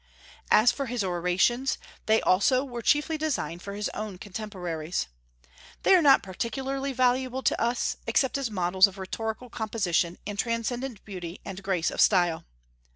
As for his orations, they also were chiefly designed for his own contemporaries. They are not particularly valuable to us, except as models of rhetorical composition and transcendent beauty and grace of style.